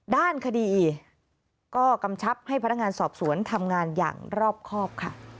ด้านคดีก็กำชับให้พนักงานสอบสวนทำงานอย่างรอบครอบค่ะ